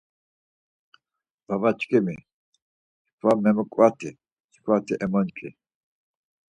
Baba çkimi çkva memoǩvati çkvati emonç̌i.